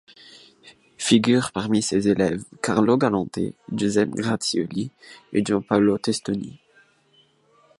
Figurent parmi ses élèves, Carlo Galante, Giuseppe Grazioli et Giampaolo Testoni.